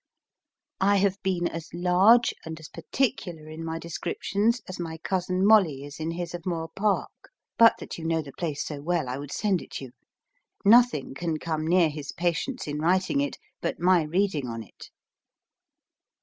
I have been as large and as particular in my descriptions as my cousin Molle is in his of Moor Park, but that you know the place so well I would send it you, nothing can come near his patience in writing it, but my reading on't.